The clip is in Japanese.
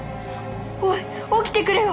おい起きてくれよ！